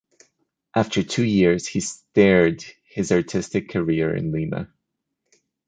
After two years he stared his artistic career in Lima.